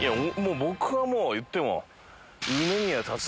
僕はもう言っても。